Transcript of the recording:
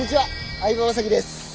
相葉雅紀です。